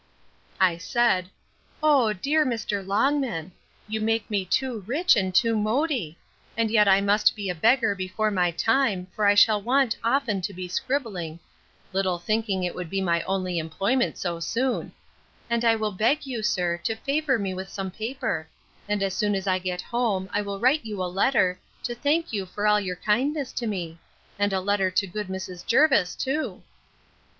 I said, O, dear Mr. Longman! you make me too rich, and too mody; and yet I must be a beggar before my time for I shall want often to be scribbling, (little thinking it would be my only employment so soon,) and I will beg you, sir, to favour me with some paper; and, as soon as I get home, I will write you a letter, to thank you for all your kindness to me; and a letter to good Mrs. Jervis too.